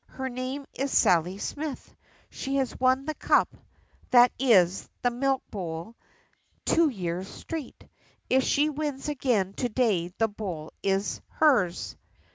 Her name is Sally Smith. She has won the cup — that is, the milk bowl — two years straight. If she wins it again to day the bowl is hers."